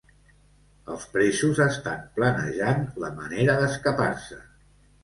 Els presos estan planejant la manera d'escapar-se.